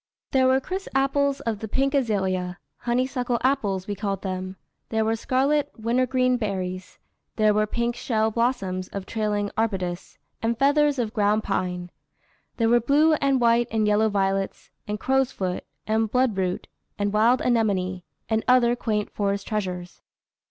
There were the crisp apples of the pink azalea, honeysuckle apples, we called them; there were scarlet wintergreen berries; there were pink shell blossoms of trailing arbutus, and feathers of ground pine; there were blue and white and yellow violets, and crowsfoot, and bloodroot, and wild anemone, and other quaint forest treasures."